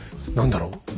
何だろう